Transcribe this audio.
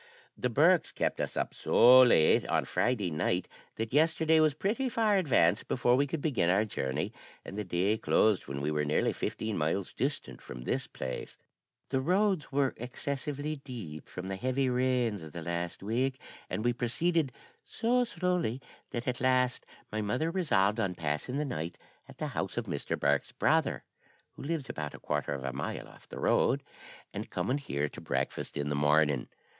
"The Bourkes kept us up so late on Friday night that yesterday was pretty far advanced before we could begin our journey, and the day closed when we were nearly fifteen miles distant from this place. The roads were excessively deep, from the heavy rains of the last week, and we proceeded so slowly that, at last, my mother resolved on passing the night at the house of Mr. Bourke's brother (who lives about a quarter of a mile off the road), and coming here to breakfast in the morning.